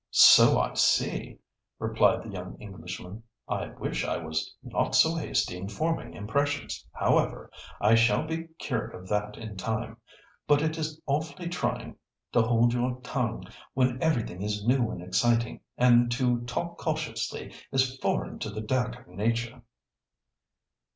"So I see," replied the young Englishman. "I wish I was not so hasty in forming impressions; however, I shall be cured of that in time. But it is awfully trying to hold your tongue when everything is new and exciting, and to talk cautiously is foreign to the Dacre nature."